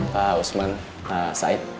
pak usman pak said